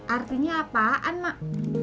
artinya apaan mak